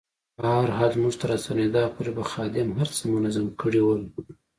په هر حال زموږ تر راستنېدا پورې به خادم هر څه منظم کړي ول.